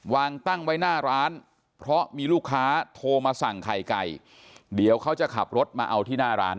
วางตั้งไว้หน้าร้านเพราะมีลูกค้าโทรมาสั่งไข่ไก่